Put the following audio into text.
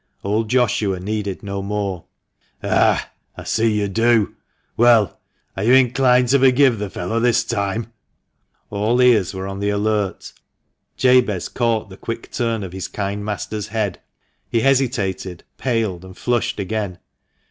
Old Joshua needed no more. " Ah, I see you do ! Well, are you inclined to forgive the fellow this time ?" All ears were on the alert. Jabez caught the quick turn of his kind master's head. He hesitated, paled, and flushed again.